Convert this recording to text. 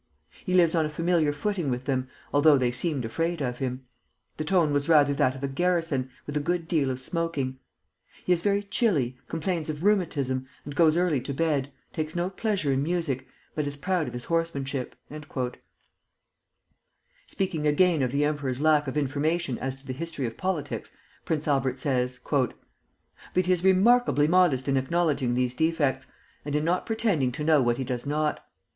He lives on a familiar footing with them, although they seemed afraid of him. The tone was rather that of a garrison, with a good deal of smoking.... He is very chilly, complains of rheumatism, and goes early to bed, takes no pleasure in music, but is proud of his horsemanship." Speaking again of the emperor's lack of information as to the history of politics, Prince Albert says: "But he is remarkably modest in acknowledging these defects, and in not pretending to know what he does not.